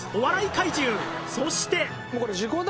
そして。